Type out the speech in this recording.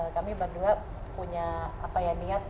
kami berdua punya niat